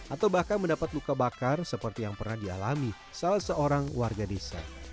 atau bahkan mendapat luka bakar seperti yang pernah dialami salah seorang warga desa